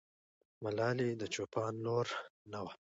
ملالۍ د چوپان لور نه وه.